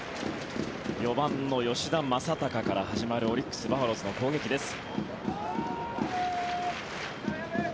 ４番の吉田正尚から始まるオリックス・バファローズの攻撃です。